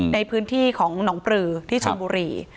ในพื้นที่ของหนองปลือที่ชนบุรี